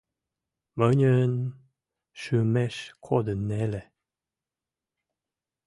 Мӹньӹн шӱмеш кодын нелӹ: